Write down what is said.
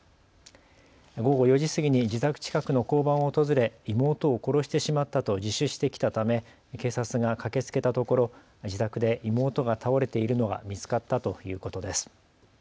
午後４時過ぎに自宅近くの交番を訪れ、妹を殺してしまったと自首してきたため警察が駆けつけたところ、自宅で妹が倒れているのが見つかったということです。